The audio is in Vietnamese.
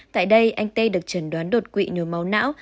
tại đây anh tê được trần đoán đột quỵ nhồi máu não